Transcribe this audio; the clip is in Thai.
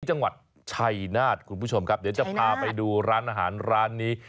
จังหวัดชัยนาธคุณผู้ชมครับเดี๋ยวจะพาไปดูร้านอาหารร้านนี้